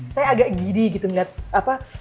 saya agak gidi gitu ngeliat apa